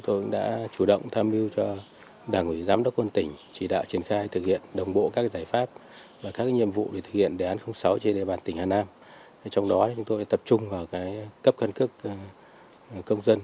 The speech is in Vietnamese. trong đó chúng tôi tập trung vào cấp khăn cước công dân